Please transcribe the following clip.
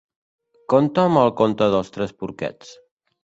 Conta'm el conte dels tres porquets.